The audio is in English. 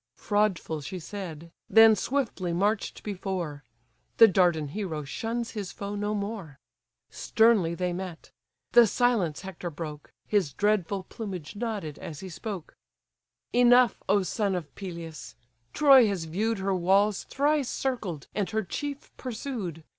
Fraudful she said; then swiftly march'd before: The Dardan hero shuns his foe no more. Sternly they met. The silence Hector broke: His dreadful plumage nodded as he spoke: "Enough, O son of Peleus! Troy has view'd Her walls thrice circled, and her chief pursued.